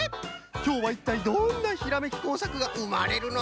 きょうはいったいどんなひらめき工作がうまれるのか！？